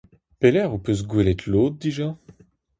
Pelec'h ho peus gwelet lod dija ?